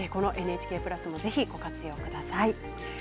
ＮＨＫプラスをぜひご活用ください。